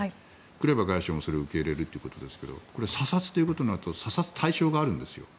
クレバ外相もそれを受け入れるということですがこれ、査察となると査察対象があるんですよ。